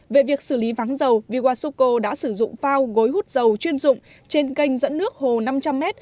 về việc xử lý vắng dầu vwasuco đã sử dụng phao gối hút dầu chuyên dụng trên kênh dẫn nước hồ năm trăm linh m